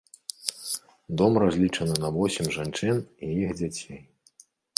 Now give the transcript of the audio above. Дом разлічаны на восем жанчын і іх дзяцей.